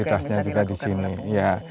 aktivitasnya juga di sini ya